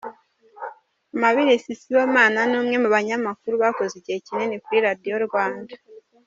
Amabilisi Sibomana ni umwe mu banyamakuru bakoze igihe kinini kuri Radio Rwanda.